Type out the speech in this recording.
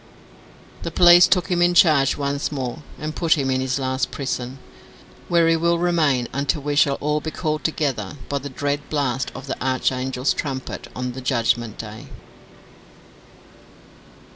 The police took him in charge once more and put him in his last prison, where he will remain until we shall all be called together by the dread blast of the Archangel's trumpet on the Judgment Day.